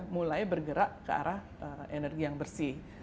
mulai bergerak ke arah energi yang bersih